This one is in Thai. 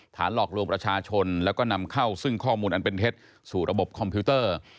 หลอกลวงประชาชนแล้วก็นำเข้าซึ่งข้อมูลอันเป็นเท็จสู่ระบบคอมพิวเตอร์